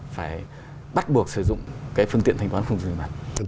phải bắt buộc sử dụng cái phương tiện thanh toán không dùng tiền mặt